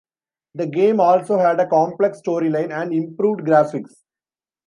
The game also had a complex storyline and improved graphics.